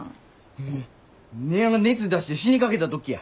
姉やんが熱出して死にかけた時や。